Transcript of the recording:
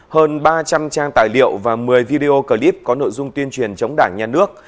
hơn ba trăm linh trang tài liệu và một mươi video clip có nội dung tuyên truyền chống đảng nhà nước